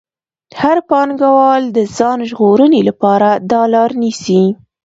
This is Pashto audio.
هر پانګوال د ځان ژغورنې لپاره دا لار نیسي